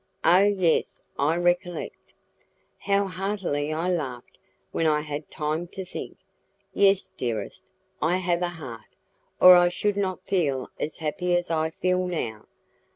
"Oh! yes, I recollect it." "How heartily I laughed, when I had time to think! Yes, dearest, I have a heart, or I should not feel as happy as I feel now.